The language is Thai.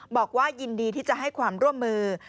บอกว่ายินดีที่จะให้ความร่วมมือ